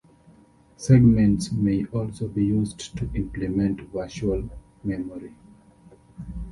Segments may also be used to implement virtual memory.